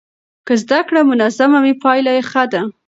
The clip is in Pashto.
که زده کړه منظمه وي پایله یې ښه ده.